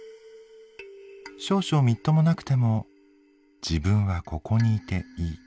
少々みっともなくても自分はここにいていい。